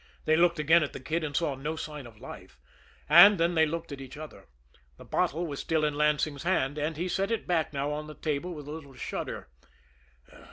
They looked again at the Kid and saw no sign of life and then they looked at each other. The bottle was still in Lansing's hand, and he set it back now on the table with a little shudder.